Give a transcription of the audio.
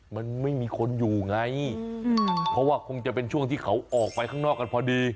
มันไม่มีคนอยู่ไงเพราะว่าคงจะเป็นช่วงที่เขาออกไปข้างนอกกันพอดี